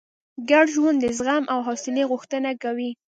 ګډ ژوند د زغم او حوصلې غوښتنه کوي.